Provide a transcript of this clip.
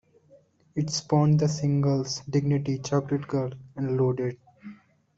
It spawned the singles "Dignity", "Chocolate Girl" and "Loaded".